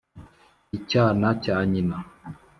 icyana cya nyina